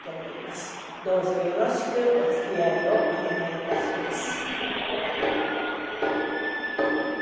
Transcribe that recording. どうぞよろしくおつきあいをお願いいたします。